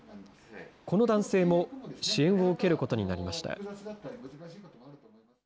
この男性も支援を受けることになりました。